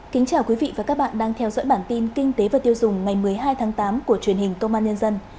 kính chào quý vị và các bạn đang theo dõi bản tin kinh tế và tiêu dùng ngày một mươi hai tháng tám của truyền hình công an nhân dân